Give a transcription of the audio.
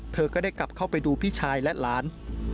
เธอก็ได้กลับเข้าไปดูพี่ชายและหลาน